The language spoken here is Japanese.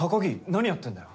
何やってんだよ。